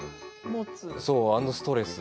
持つ、あのストレス。